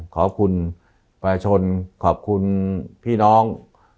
ขอบคุณประชาชนขอบคุณพี่น้อง